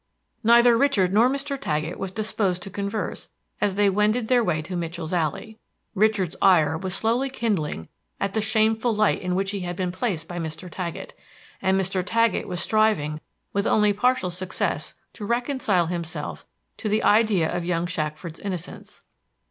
Neither Richard nor Mr. Taggett was disposed to converse as they wended their way to Mitchell's Alley. Richard's ire was slowly kindling at the shameful light in which he had been placed by Mr. Taggett, and Mr. Taggett was striving with only partial success to reconcile himself to the idea of young Shackford's innocence.